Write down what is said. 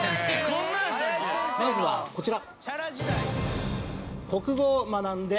「まずはこちら」